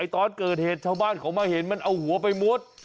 ตอนเกิดเหตุชาวบ้านเขามาเห็นมันเอาหัวไปมุด